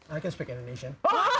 i can speak indonesian